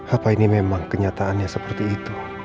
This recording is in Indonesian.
apa ini memang kenyataannya seperti itu